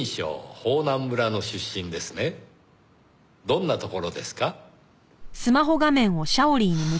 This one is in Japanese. どんなところですか？